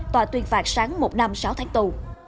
tòa tuyên phạt sáng một năm sáu tháng tù